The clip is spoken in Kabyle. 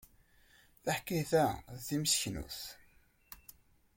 Taḥkayt-a d timseknut.